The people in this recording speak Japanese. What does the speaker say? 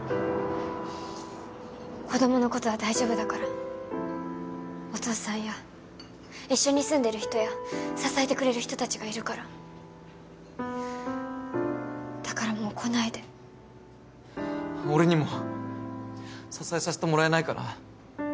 子どものことは大丈夫だからお父さんや一緒に住んでる人や支えてくれる人達がいるからだからもう来ないで俺にも支えさせてもらえないかな？